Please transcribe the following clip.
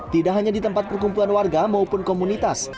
tidak hanya di tempat perkumpulan warga maupun komunitas